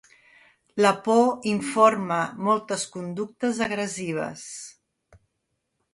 La por informa moltes conductes agressives.